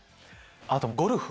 あとゴルフ。